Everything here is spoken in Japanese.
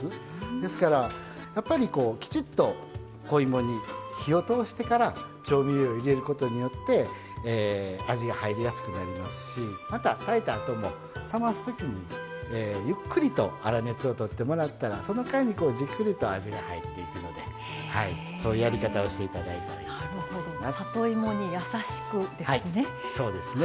ですから、きちっとお芋に火を通してから調味料を入れることによって味が入りやすくなりますしまた、炊いたあとも冷ますときにゆっくりと粗熱をとってもらうとその間にじっくりと味が入っていくのでそういうやり方を里芋にやさしくですね。